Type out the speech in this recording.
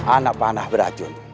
anak panah beracun